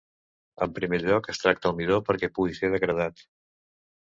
En primer lloc es tracta el midó perquè pugui ser degradat.